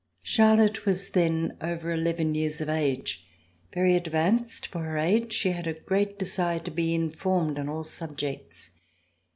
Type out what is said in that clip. Charlotte was then over eleven years of age. Very advanced for her age, she had a great desire to be informed on all subjects.